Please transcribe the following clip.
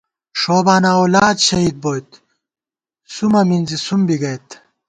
ݭوبانہ اولادشہید بوئیت، سُومہ مِنزی سُم بی گئیت